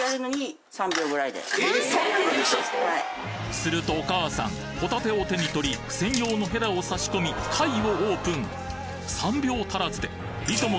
するとお母さんホタテを手に取り専用のヘラを差し込み貝をオープン３秒足らずでいとも